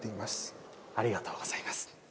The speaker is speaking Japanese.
ありがとうございます。